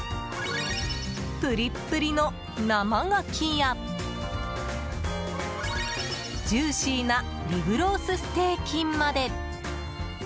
プリップリの生ガキやジューシーなリブロースステーキまで。